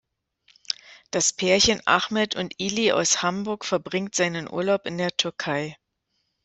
Das Pärchen Ahmet und Ili aus Hamburg verbringt seinen Urlaub in der Türkei.